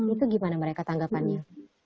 itu gimana mereka tanggapannya